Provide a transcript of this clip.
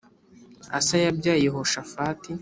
Asa yabyaye Yehoshafati